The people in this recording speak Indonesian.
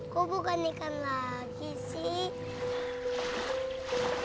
kok bukan ikan lagi sih